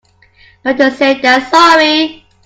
Better safe than sorry.